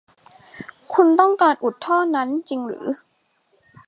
คุณต้องการอุดท่อนั้นจริงหรือ